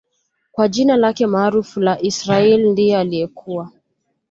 kwa jina lake maarufu la Israaiyl ndiye aliyekuwa